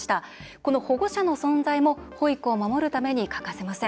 この保護者の存在というのも保育を守るために欠かせません。